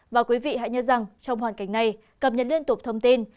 và quý vị hãy nhớ rằng trong hoàn cảnh này cập nhật liên tục thông tin